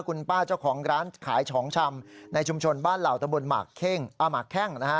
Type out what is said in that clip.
คุณป้าเจ้าของร้านขายของชำในชุมชนบ้านเหล่าตะบนหมากแข้งนะฮะ